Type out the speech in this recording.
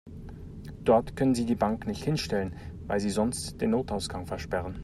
Dort können Sie die Bank nicht hinstellen, weil Sie sonst den Notausgang versperren.